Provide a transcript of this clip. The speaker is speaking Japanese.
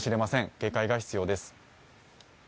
警戒が必要です。